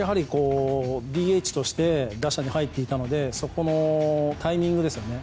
ＤＨとして打者に入っていたのでそこのタイミングですね。